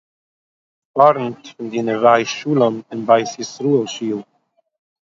פאָרנט פון די נוה שלום און בית ישראל שול